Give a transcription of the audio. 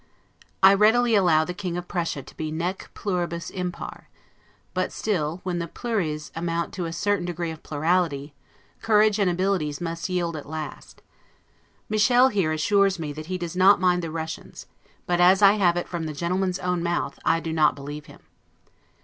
I readily allow the King of Prussia to be 'nec pluribus impar'; but still, when the 'plures' amount to a certain degree of plurality, courage and abilities must yield at last. Michel here assures me that he does not mind the Russians; but, as I have it from the gentleman's own mouth, I do not believe him.